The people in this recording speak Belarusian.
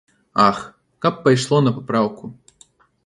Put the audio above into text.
Ах, каб пайшло на папраўку.